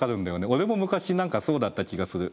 俺も昔何かそうだった気がする。